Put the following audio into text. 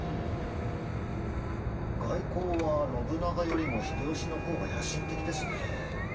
外交は信長よりも秀吉の方が野心的ですね怖いくらいだ。